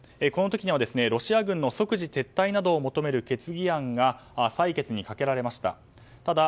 この時にはロシア軍の即時撤退をなどを求める決議案が採決にかけられました。